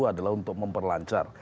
adalah untuk memperlancar